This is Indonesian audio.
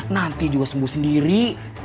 nanti juga sembuh sendiri